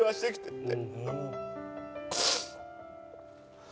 って。